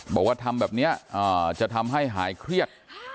บอกว่าทำแบบนี้จะทำให้หายเครียด